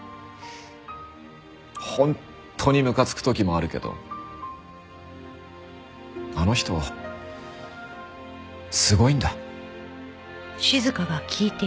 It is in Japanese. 本当にムカつく時もあるけどあの人すごいんだ。